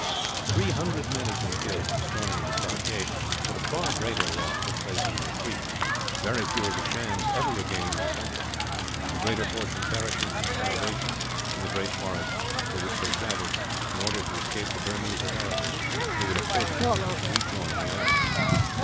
Three hundred men had been killed, at the storming of the stockade; but a far greater loss took place in the retreat very few of the Shans ever regaining their country; the greater portion perishing from starvation, in the great forests through which they travelled in order to escape the Burmese authorities, who would have forced them to rejoin the army.